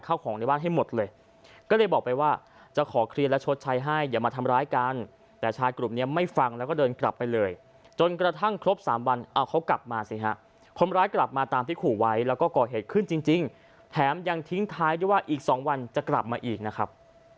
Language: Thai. ก็เดินกลับไปเลยจนกระทั่งครบสามวันเอาเขากลับมาสิฮะพร้อมร้ายกลับมาตามที่ขู่ไว้แล้วก็ก่อเหตุขึ้นจริงจริงแถมยังทิ้งท้ายได้ว่าอีกสองวันจะกลับมาอีกนะครับ